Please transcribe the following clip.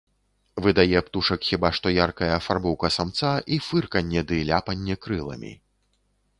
Выдае птушак хіба што яркая афарбоўка самца і фырканне ды ляпанне крыламі.